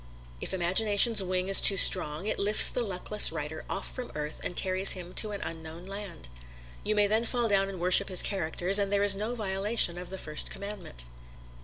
If imagination's wing is too strong, it lifts the luckless writer off from earth and carries him to an unknown land. You may then fall down and worship his characters, and there is no violation of the First Commandment.